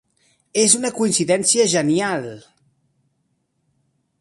És una coincidència genial!